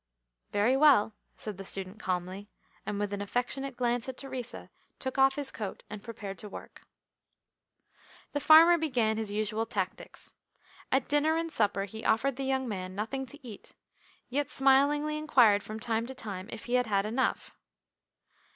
"Very well," said the student calmly, and with an affectionate glance at Theresa took off his coat and prepared to work. The farmer began his usual tactics. At dinner and supper he offered the young man nothing to eat, yet smilingly inquired from time to time if he had had enough.